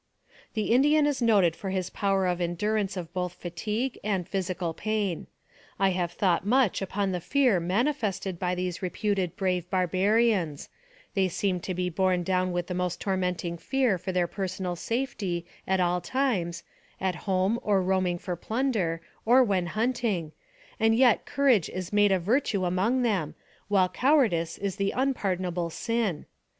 The Indian is noted for his power of endurance of both fatigue and physical pain. I have thought much upon the fear manifested by these reputed brave bar barians; they seem to be borne down with the most tormenting fear for their personal safety at all times, at home or roaming for plunder, or when hunting, and yet courage is made a virtue among them, while cow ardice is the unpardonable sin.